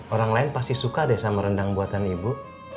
orang lain pasti suka deh sama rendang buatan ibu